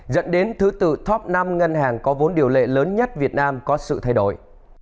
dẫn đến thứ tự top năm ngân hàng có vốn điều lệ lớn nhất việt nam có sự thay đổi